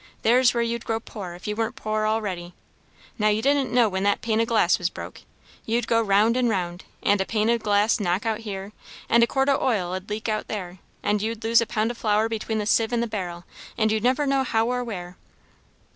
There's where you'd grow poor, if you weren't poor a'ready. Now you didn't know when that pane o' glass was broke. You'd go round and round, and a pane o' glass'd knock out here, and a quart of oil 'ud leak out there, and you'd lose a pound of flour between the sieve and the barrel, and you'd never know how or where."